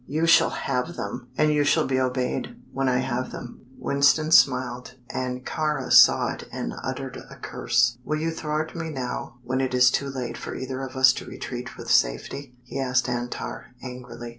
"You shall have them!" "And you shall be obeyed when I have them." Winston smiled, and Kāra saw it and uttered a curse. "Will you thwart me now, when it is too late for either of us to retreat with safety?" he asked Antar, angrily.